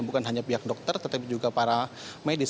bukan hanya pihak dokter tetapi juga para medis